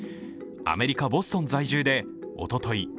アメリカ・ボストン在住でおととい